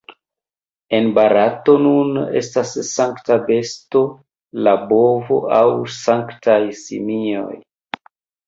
En Barato nun estas sankta besto la bovo aŭ sanktaj simioj.